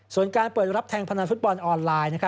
ส่วนการเปิดรับแทงพนันฟุตบอลออนไลน์